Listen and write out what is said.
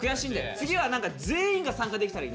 次は何か全員が参加できたらいいな。